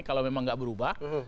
kalau memang tidak berubah